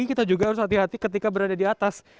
kita juga harus hati hati ketika berada di atas